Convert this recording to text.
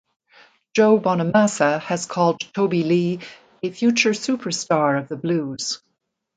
Joe Bonamassa has called Toby Lee "a future superstar of the blues".